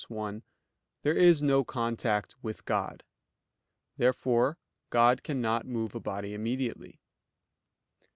1): "There is no contact with God." Therefore God cannot move a body immediately.